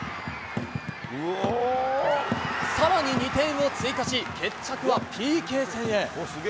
さらに２点を追加し、決着はＰＫ戦へ。